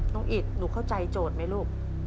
อิดหนูเข้าใจโจทย์ไหมลูก